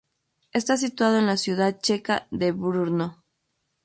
Está situado en la ciudad checa de Brno.